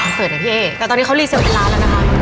แต่ตอนนี้เขารีเซลล์เวลาแล้วนะคะ